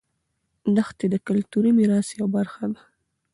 دښتې د کلتوري میراث یوه برخه ده.